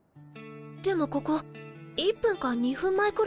でもここ１分か２分前くらい？